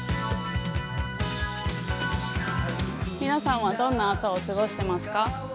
皆さんはどんな朝を過ごしてますか？